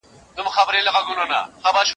په دريو مياشتو به يې زړه په خلكو سوړ كړ